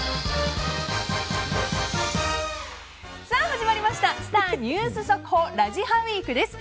始まりましたスター☆ニュース速報「ラジハ」ウィークです。